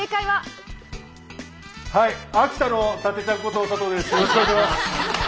はい。